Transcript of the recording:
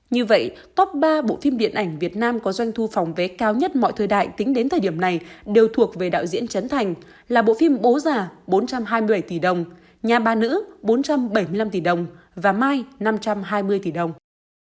như vậy top ba bộ phim điện ảnh việt nam có doanh thu phòng vé cao nhất mọi thời đại tính đến thời điểm này đều thuộc về đạo diễn chấn thành là bộ phim bố già bốn trăm hai mươi tỷ đồng nhà ba nữ bốn trăm bảy mươi năm tỷ đồng và mai năm trăm hai mươi tỷ đồng